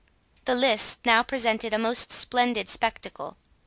The lists now presented a most splendid spectacle.